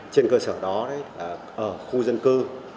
trên cơ sở đó khu dân cư